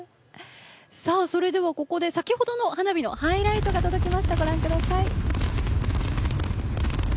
それでは、ここで先ほどの花火のハイライトが届きました、ご覧ください。